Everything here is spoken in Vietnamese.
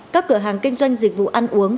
các cửa hàng kinh doanh dịch vụ ăn uống